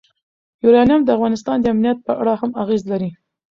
یورانیم د افغانستان د امنیت په اړه هم اغېز لري.